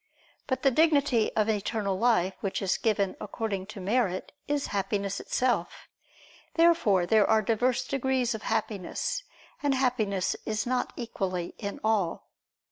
But the dignity of eternal life which is given according to merit, is Happiness itself. Therefore there are diverse degrees of Happiness, and Happiness is not equally in all.